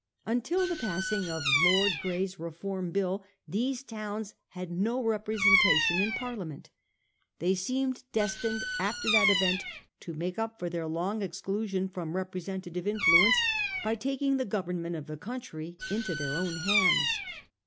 Until the passing of Lord Grey's Reform Bill these towns had no repre sentation in Parliament. They seemed destined after that event to make up for their long exclusion from representative influence by taking the government of the country into their own hands.